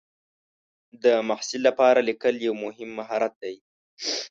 د محصل لپاره لیکل یو مهم مهارت دی.